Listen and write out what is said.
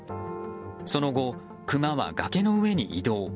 その後、クマは崖の上に移動。